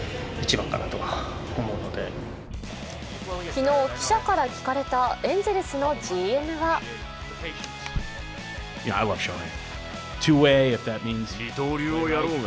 昨日、記者から聞かれたエンゼルスのＧＭはと出場を後押し。